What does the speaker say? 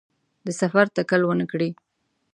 د سفر تکل ونکړي.